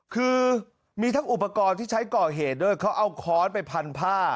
คือมีทั้งอุปกรณ์ที่ใช้ก่อเหตุด้วยเขาเอาค้อนไปพันผ้า